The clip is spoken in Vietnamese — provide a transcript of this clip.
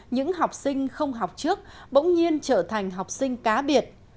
những học sinh không học trước bỗng nhiên trở thành học sinh cá biệt